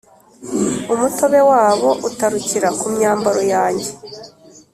umutobe wabo utarukira ku myambaro yanjye,